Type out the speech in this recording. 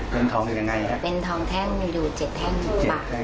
เป็นทองอยู่ยังไงครับเป็นทองแท่งอยู่๗แท่งบาท